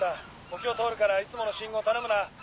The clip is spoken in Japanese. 沖を通るからいつもの信号頼むな。